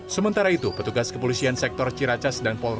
sementara itu petugas kepolisian sektor ciracas dan polri